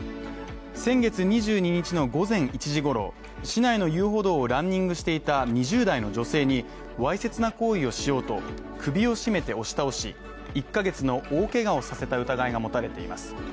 先月２２日の午前１時ごろ、市内の遊歩道をランニングしていた２０代の女性にわいせつな行為をしようと、首を絞めて押し倒し、１ヶ月の大けがをさせた疑いが持たれています。